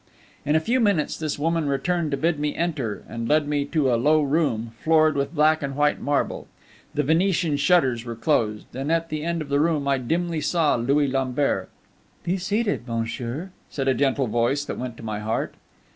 In a few minutes this woman returned to bid me enter, and led me to a low room, floored with black and white marble; the Venetian shutters were closed, and at the end of the room I dimly saw Louis Lambert. "Be seated, monsieur," said a gentle voice that went to my heart.